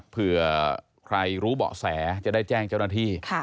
เผื่อใครรู้เบาะแสจะได้แจ้งเจ้าหน้าที่